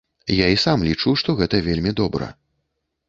Я і сам лічу, што гэта вельмі добра.